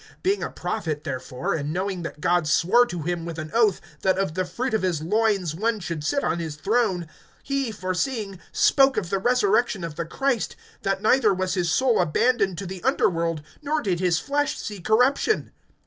(30)Being a prophet, therefore, and knowing that God swore to him, with an oath, that of the fruit of his loins one should sit on his throne, (31)he, foreseeing, spoke of the resurrection of the Christ, that neither was his soul abandoned to the underworld, nor did his flesh see corruption.